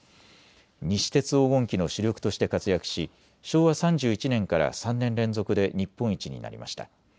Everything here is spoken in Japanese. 西鉄黄金期の主力として活躍し昭和３１年から３年連続で日本一になりました。